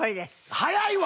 早いわ！